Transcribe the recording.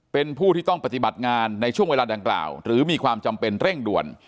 เป็นผู้ที่ต้องปฏิบัติงานในช่วงเวลาดังกล่าวหรือมีความจำเป็นเร่งด่วน